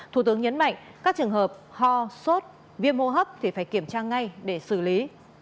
thủ tướng nhấn mạnh các trường hợp ho sốt viêm hô hấp thì phải kiểm tra ngay để xử lý